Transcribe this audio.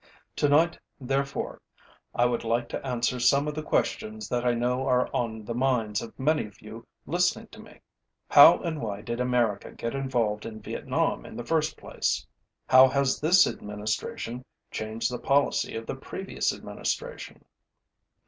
Tonight, therefore, I would like to answer some of the questions that I know are on the minds of many of you listening to me. How and why did America get involved in Vietnam in the first place? How has this administration changed the policy of the previous Administration?